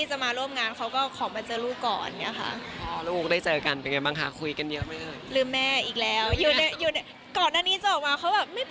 คริสกับแมคเวลค่อกันได้ดีเขาก็แฮปปี้ด้วยกันค่ะ